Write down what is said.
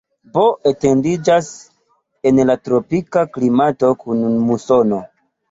Bo etendiĝas en la tropika klimato kun musono.